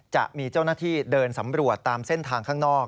จะมีเจ้าหน้าที่เดินสำรวจตามเส้นทางข้างนอก